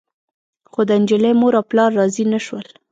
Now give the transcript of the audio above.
خو د نجلۍ مور او پلار راضي نه شول.